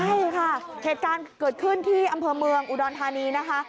ใช่ค่ะเหตุการณ์เกิดขึ้นที่อำเภอเมืองอุดรธานีนะคะ